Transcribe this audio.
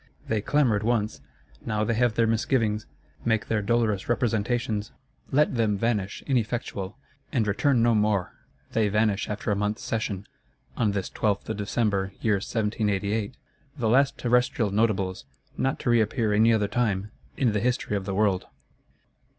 They clamoured once; now they have their misgivings; make their dolorous representations. Let them vanish, ineffectual; and return no more! They vanish after a month's session, on this 12th of December, year 1788: the last terrestrial Notables, not to reappear any other time, in the History of the World.